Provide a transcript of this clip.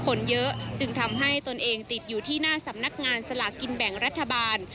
คนเยอะจึงทำให้ตนเองติดอยู่ที่หน้าสำนักงานสลากกินแบ่งรัฐบาล